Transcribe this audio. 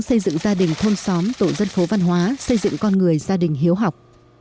xây dựng gia đình thôn xóm tổ dân phố văn hóa xây dựng con người gia đình hiếu học